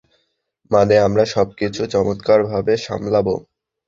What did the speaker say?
মানে আমরা সবকিছু চমৎকারভাবে সামলাবো।